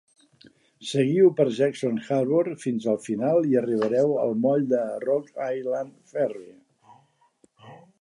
Seguiu per Jackson Harbor fins al final i arribareu al moll de Rock Island Ferry.